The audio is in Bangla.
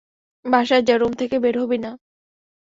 বাসায় যা, রুম থেকে বের হবি না।